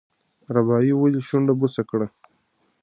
رابعې ولې شونډه بوڅه کړه؟